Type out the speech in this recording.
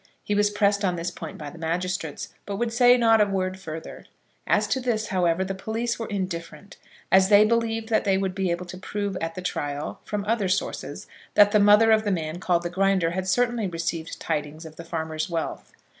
He was pressed on this point by the magistrates, but would say not a word further. As to this, however, the police were indifferent, as they believed that they would be able to prove at the trial, from other sources, that the mother of the man called the Grinder had certainly received tidings of the farmer's wealth.